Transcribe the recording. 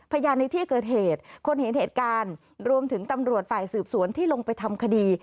ในที่เกิดเหตุคนเห็นเหตุการณ์รวมถึงตำรวจฝ่ายสืบสวนที่ลงไปทำคดี